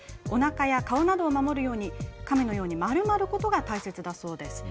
おなかや顔などを守るように亀のように丸まることが大切です。